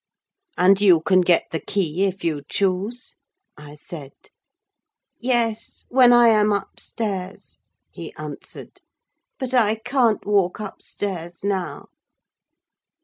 "And you can get the key if you choose?" I said. "Yes, when I am upstairs," he answered; "but I can't walk upstairs now."